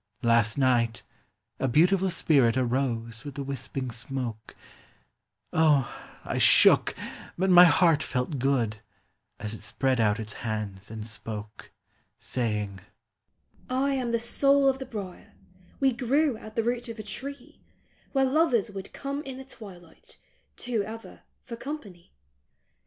Last night a beautiful spirit arose with the wisping smoke ; O, I shook, but my heart felt good, as it spread out its hands and spoke ; Saying, "I am the soul of the brier; we grew at the root of a tree Where lovers would come in the twilight, two ever, for company.